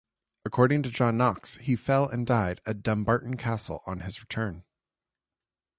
According to John Knox he fell and died at Dumbarton Castle on his return.